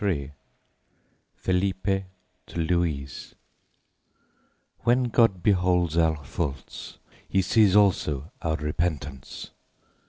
FELIPE TO LOUISE When God beholds our faults, He sees also our repentance.